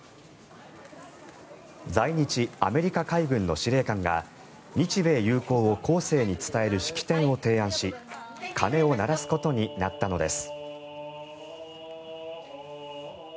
在日アメリカ海軍の司令官が日米友好を後世に伝える式典を提案し鐘を鳴らすことになったのです。